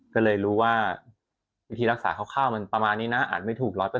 ก็เลยรู้ว่าวิธีรักษาคร่าวมันประมาณนี้นะอาจไม่ถูก๑๐๐